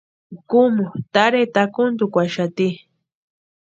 Kúmu tarheta akuntukwaaxati.